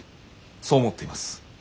そう思っています。